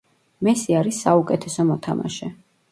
მესი არის საუკეთესო მოთამაშე